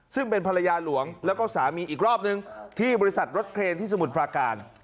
ซึ่งเป็นภรรยาหลวงแล้วก็สามีอีกรอบนึงที่บริษัทรถเครนที่สมุทรปราการ